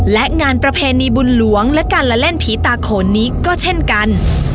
และงานประเพณีบุญหลวงและการละเล่นผีตาโขนนี้ก็เช่นกัน